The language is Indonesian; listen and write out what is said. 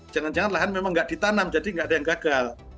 jangan jangan lahan memang nggak ditanam jadi nggak ada yang gagal